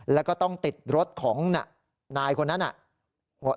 แล้วก็ต้องติดรถของนายคนนั้น